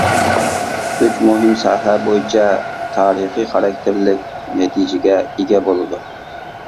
ئۈچ مۇھىم ساھە بويىچە تارىخىي خاراكتېرلىك نەتىجىگە ئىگە بولىدۇ.